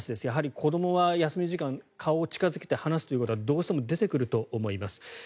やはり、子どもは休み時間顔を近付けて話すということはどうしても出てくると思います。